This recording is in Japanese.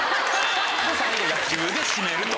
最後野球で締めると。